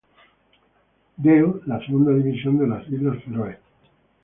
Deild la segunda división de las Islas Feroe.